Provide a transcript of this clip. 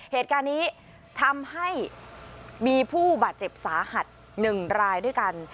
เหตุการณ์นี้ทำให้มีผู้บาดเจ็บสาหัส๑รายด้วยกัน